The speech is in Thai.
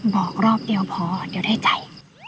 บอกรอบเดียวพอเดี๋ยวได้ใจ